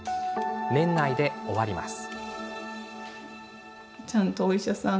年内で終わります。